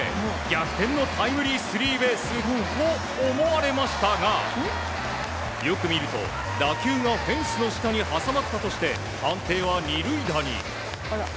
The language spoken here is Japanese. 逆転のタイムリースリーベースと思われましたがよく見ると打球がフェンスの下に挟まったとして判定は２塁打に。